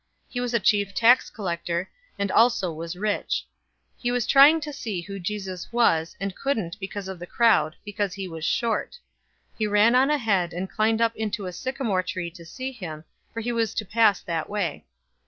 He was a chief tax collector, and he was rich. 019:003 He was trying to see who Jesus was, and couldn't because of the crowd, because he was short. 019:004 He ran on ahead, and climbed up into a sycamore tree to see him, for he was to pass that way.